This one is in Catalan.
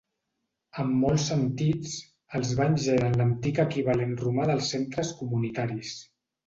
En molts sentits, els banys eren l'antic equivalent romà dels centres comunitaris.